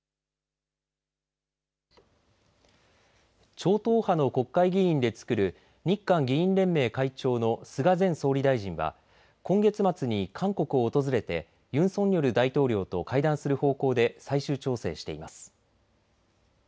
超党派の国会議員でつくる日韓議員連盟会長の菅前総理大臣は今月末に韓国を訪れてユン・ソンニョル大統領と会談する方向で最終調整しています。